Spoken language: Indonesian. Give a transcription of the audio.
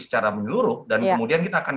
secara menyeluruh dan kemudian kita akan